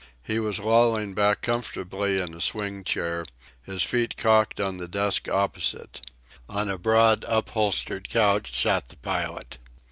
He was lolling back comfortably in a swing chair, his feet cocked on the desk opposite. On a broad, upholstered couch sat the pilot.